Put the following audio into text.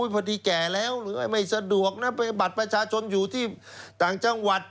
พอดีแก่แล้วหรือไม่สะดวกนะไปบัตรประชาชนอยู่ที่ต่างจังหวัด